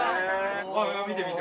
見て見て！